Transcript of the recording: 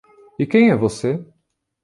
E quem é você?